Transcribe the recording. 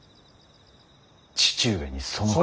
父上にその。